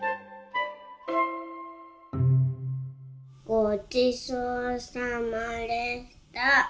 ごちそうさまでした。